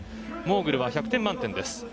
モーグルは１００点満点です。